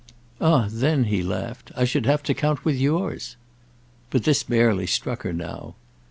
"Ah then," he laughed, "I should have to count with yours!" But this barely struck her now.